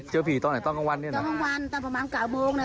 เจอผีตอนไหนตอนกลางวันนี่นะครับตอนกลางวันตอนประมาณ๙โมงนะครับ